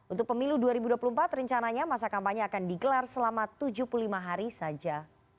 untuk pemilu dua ribu dua puluh empat rencananya masa kampanye akan digelar selama tujuh puluh lima hari saja